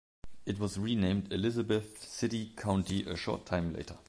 It was renamed Elizabeth City County a short time later.